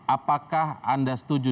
apakah anda setuju